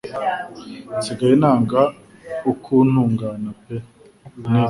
Nsigaye nanga ukuntu ngana pe, n